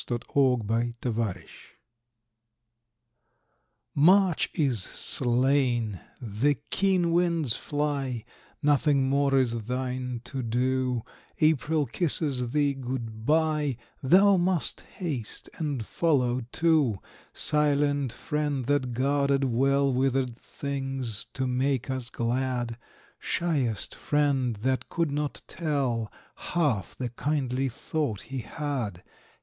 GOD SPEED TO THE SNOW March is slain; the keen winds fly; Nothing more is thine to do; April kisses thee good bye; Thou must haste and follow too; Silent friend that guarded well Withered things to make us glad, Shyest friend that could not tell Half the kindly thought he had.